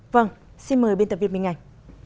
vâng xin mời biên tập viên minh anh